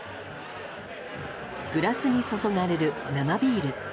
グラスに注がれる生ビール。